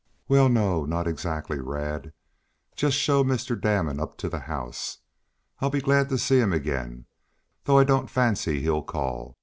"Well, no; not exactly, Rad. Just show Mr. Damon up to the house. I'd be glad to see him again, though I don't fancy he'll call.